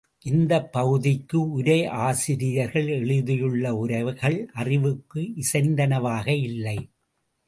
இந்தப் பகுதிக்கு உரை ஆசிரியர்கள் எழுதியுள்ள உரைகள் அறிவுக்கு இசைந்தனவாக இல்லை.